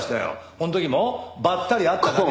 この時もばったり会っただけで。